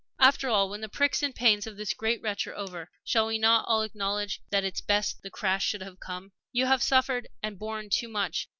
"After all, when the pricks and pains of this great wrench are over, shall we not all acknowledge that it is best the crash should have come? You have suffered and borne too much.